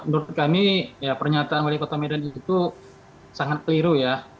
menurut kami pernyataan wali kota medan itu sangat keliru